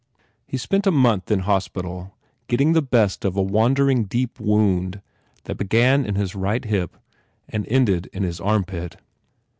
He spent a month in hospital getting the best of the wandering, deep wound that began at his right hip and ended in his armpit.